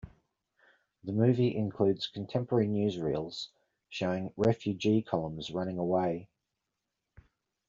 The movie includes contemporary newsreels showing refugee columns running away.